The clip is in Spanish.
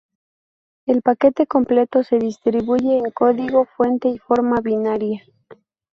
El paquete completo se distribuye en código fuente y forma binaria.